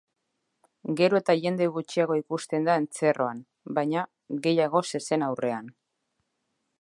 Gero eta jende gutxiago ikusten da entzierroan, baina, gehiago zezen aurrean.